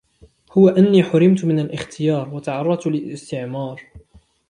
هو أنّي حرمت من الاختيار، وتعرضت للاستعمار